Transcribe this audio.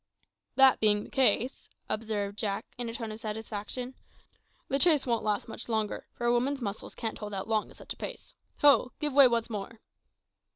"That being the case," observed Jack, in a tone of satisfaction, "the chase won't last much longer, for a woman's muscles can't hold out long at such a pace. Ho! give way once more."